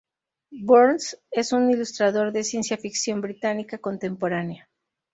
Burns es un ilustrador de ciencia ficción británica contemporánea.